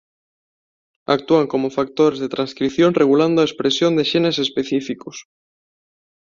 Actúan como factores de transcrición regulando a expresión de xenes específicos.